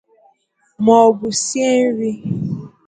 maọbụ sie nri